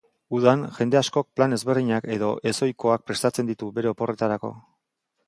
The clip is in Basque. Udan jende askok plan ezberdinak edo ez ohikoak prestatzen ditu bere oporretarako.